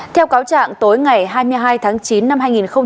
theo cáo trạng tối ngày hai mươi hai tháng chín năm hai nghìn hai mươi